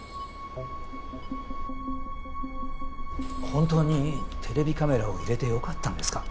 本当にテレビカメラを入れてよかったんですか？